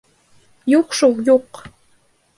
Юҡ шул, юҡ!